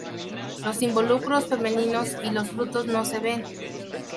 Los involucros femeninos y los frutos no se ven.